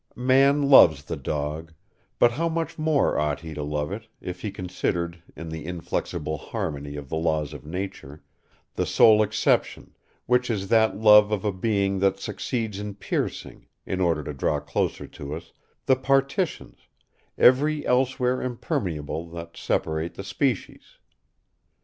II Man loves the dog, but how much more ought he to love it if he considered, in the inflexible harmony of the laws of nature, the sole exception, which is that love of a being that succeeds in piercing, in order to draw closer to us, the partitions, every elsewhere impermeable, that separate the species!